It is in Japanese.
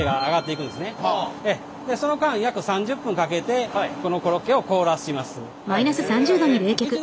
でその間約３０分かけてこのコロッケを凍らします。